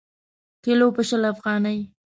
کیلـو په شل افغانۍ.